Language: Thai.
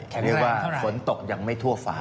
เขาเรียกว่าฝนตกยังไม่ทั่วฟ้า